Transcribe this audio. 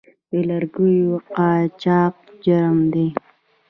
د لرګیو قاچاق جرم دی